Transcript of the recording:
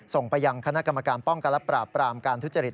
ส่งไปยังคณะกรรมการป้องกันและปราบปรามการทุจริต